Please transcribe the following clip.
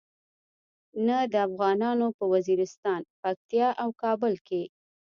نه د افغانانو په وزیرستان، پکتیا او کابل کې.